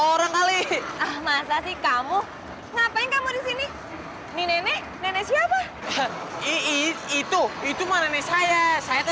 orang kali ah masa sih kamu ngapain kamu disini ini nenek nenek siapa itu itu nenek saya saya